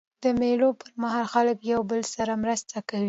د مېلو پر مهال خلک له یو بل سره مرسته کوي.